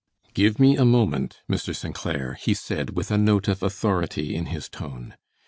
"Give me a moment, Mr. St. Clair," he said, with a note of authority in his tone.